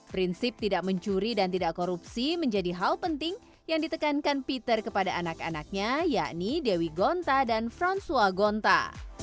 prinsip tidak mencuri dan tidak korupsi menjadi hal penting yang ditekankan peter kepada anak anaknya yakni dewi gonta dan fransua gonta